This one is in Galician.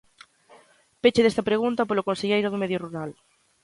Peche desta pregunta polo conselleiro do Medio Rural.